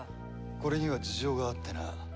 これには事情があってな。